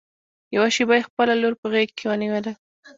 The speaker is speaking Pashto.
يوه شېبه يې خپله لور په غېږ کې ونيوله.